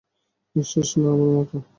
নিঃশেষ না, আমার মাথা।